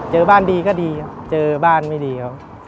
เจอบ้านดีก็ดีเจอบ้านไม่ดี